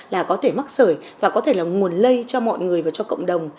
là có thể mắc sởi và có thể là nguồn lây cho mọi người và cho cộng đồng